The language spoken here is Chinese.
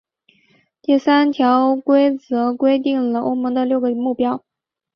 第三条则规定了欧盟的六个目标。